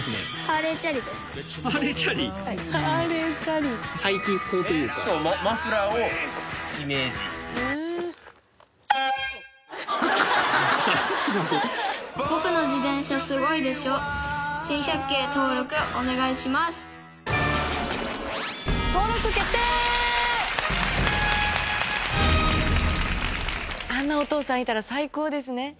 あんなお父さんいたら最高ですね。